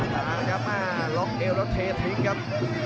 มาครับล็อกเอวแล้วเททิ้งครับ